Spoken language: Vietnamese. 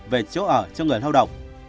về chỗ ở cho người lao động